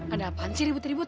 ada apaan sih ribut ribut